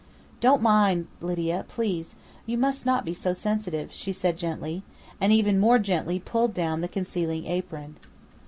"Don't mind, Lydia, please. You must not be so sensitive," she said gently, and even more gently pulled down the concealing apron....